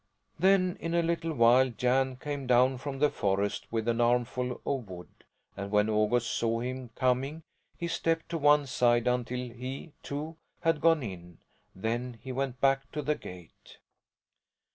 Then in a little while Jan came down from the forest with an armful of wood, and when August saw him coming he stepped to one side until he, too, had gone in; then he went back to the gate.